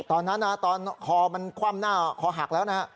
ตอนนั้นตอนคอมันคว่ำหน้าคอหักแล้วนะฮะ